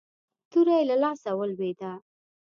توره يې له لاسه ولوېده.